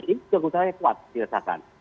ini kegugurannya kuat dirasakan